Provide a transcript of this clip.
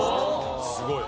すごい。